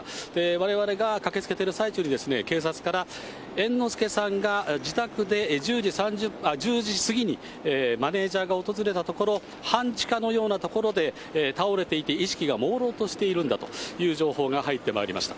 われわれが駆けつけている最中に警察から、猿之助さんが自宅で１０時過ぎにマネージャーが訪れたところ、半地下のような所で倒れていて意識がもうろうとしているんだという情報が入ってまいりました。